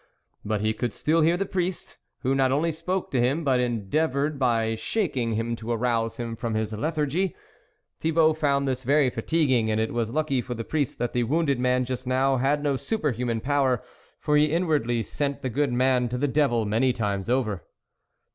But he could still hear the priest, who not only spoke to him, but endeavoured by shaking him to arouse him from his legthargy. Thibault found this very fatiguing, and it was lucky for the priest that the wounded man, just now, had no superhuman power, for he inwardly sent the good man to the devil, many times over.